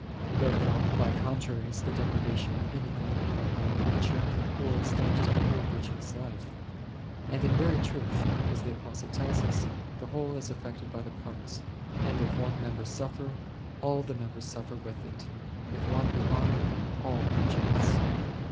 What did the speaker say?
Therefore, by contraries, the deprav ation of anything in our moral nature will ex tend to the whole virtuous life ^ and in very truth, as the Apostle tells us, the^hole is af fected by the parts, and "if one member2 suffer, all the members suffer with it," "if one be honoured, all rejoice."